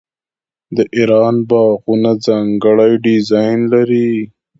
د ایران باغونه ځانګړی ډیزاین لري.